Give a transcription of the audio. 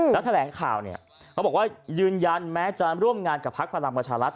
แล้วแถลงข่าวเนี่ยเขาบอกว่ายืนยันแม้จะร่วมงานกับพักพลังประชารัฐ